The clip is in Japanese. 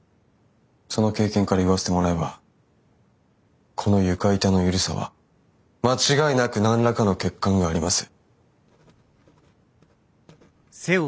その経験から言わせてもらえばこの床板の緩さは間違いなく何らかの欠陥があります。